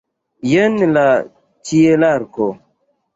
Jen la ĉielarko!